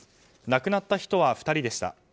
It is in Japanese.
亡くなった人は２人でした。